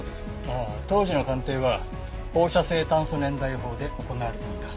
ああ当時の鑑定は放射性炭素年代法で行われたんだ。